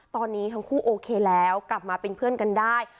ตอนนี้ทั้งคู่โอเคแล้วกลับมาเป็นเพื่อนกันได้